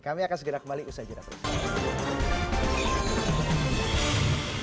kami akan segera kembali usaha jendela berikut ini